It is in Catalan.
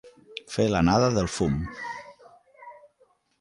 Fer l'anada del fum.